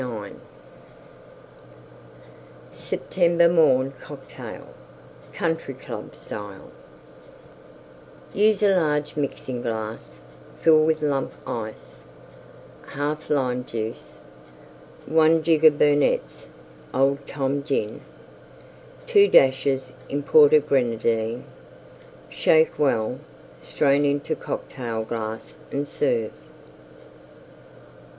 SEPTEMBER MORN COCKTAIL Country Club Style Use a large Mixing glass; fill with Lump Ice. 1/2 Lime Juice. 1 jigger Burnette's Old Tom Gin. 2 dashes Imported Grenadine. Shake well; strain into Cocktail glass and serve.